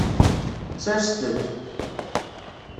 Serset-t.